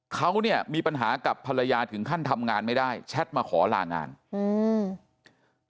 เขาเนี่ยมีปัญหากับภรรยาถึงขั้นทำงานไม่ได้แชทมาขอลางานอืม